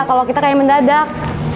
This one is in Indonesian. kalau kita kayak mendadak